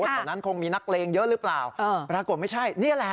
แถวนั้นคงมีนักเลงเยอะหรือเปล่าปรากฏไม่ใช่นี่แหละ